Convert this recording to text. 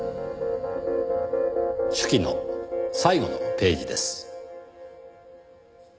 手記の最後のページです。